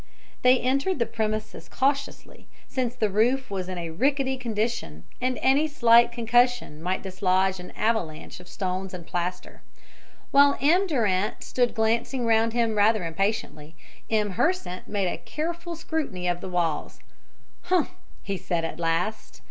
They entered the premises cautiously, since the roof was in a rickety condition, and any slight concussion might dislodge an avalanche of stones and plaster. While M. Durant stood glancing round him rather impatiently, M. Hersant made a careful scrutiny of the walls. "Humph," he said at last.